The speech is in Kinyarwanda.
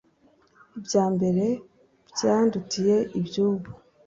ibya mbere byandutiye iby’ubu